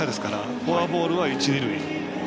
フォアボールは一、二塁。